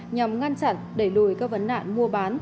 nhằm ngăn chặn đẩy lùi các vấn nạn mua bán